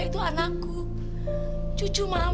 lagi telepon siapa gue kayaknya kawan